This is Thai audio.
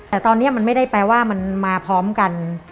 แต่ตอนนี้มันไม่ได้แปลว่ามันมาพร้อมกัน